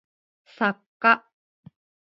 作家